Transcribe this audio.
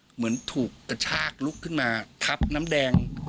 เหมือนถูกกระชากลุกขึ้นมาทับน้ำแดง